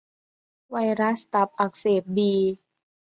ไวรัสตับอักเสบบี